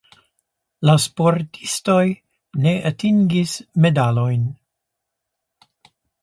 La sportistoj ne atingis medalojn.